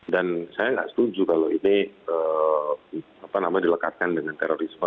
dan saya tidak setuju kalau ini dilekatkan dengan terorisme